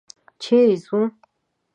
چېرې ځو؟